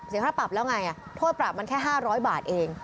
ค่าปรับแล้วไงโทษปรับมันแค่๕๐๐บาทเอง